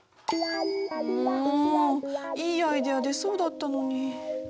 もういいアイデア出そうだったのに。